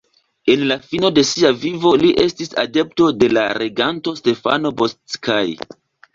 En la fino de sia vivo li estis adepto de la reganto Stefano Bocskai.